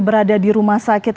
berada di rumah sakit